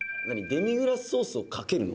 デミグラスソースをかけるの？」